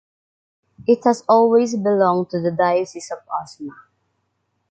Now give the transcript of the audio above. It has always belong to the Diocese of Osma.